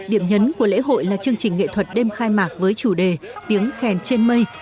điểm nhấn của lễ hội là chương trình nghệ thuật đêm khai mạc với chủ đề tiếng khen trên mây